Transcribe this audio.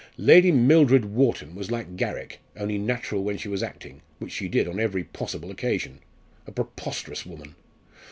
Lady Mildred Wharton was like Garrick, only natural when she was acting, which she did on every possible occasion. A preposterous woman!